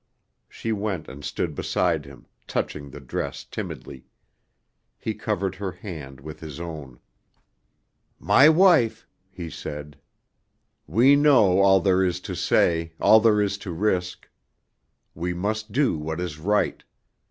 She went and stood beside him, touching the dress timidly. He covered her hand with his own. "My wife," he said, "we know all there is to say, all there is to risk. We must do what is right.